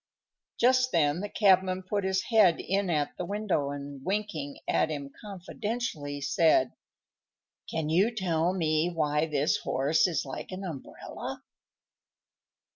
Just then the cabman put his head in at the window, and, winking at him confidentially, said, "Can you tell me why this horse is like an umbrella?"